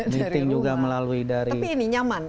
meeting juga melalui dari tapi ini nyaman